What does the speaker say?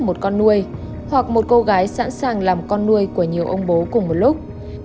một con nuôi hoặc một cô gái sẵn sàng làm con nuôi của nhiều ông bố cùng một lúc